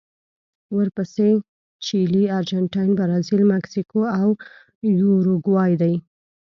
ورپسې چیلي، ارجنټاین، برازیل، مکسیکو او یوروګوای دي.